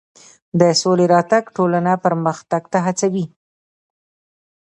د سولې راتګ ټولنه پرمختګ ته هڅوي.